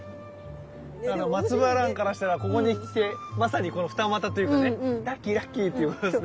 マツバランからしたらここに来てまさにこの二股というかねラッキーラッキーっていうことですね。